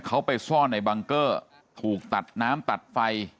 เขาไปซ่อนในบังเกอร์ถูกตัดน้ำตัดไฟ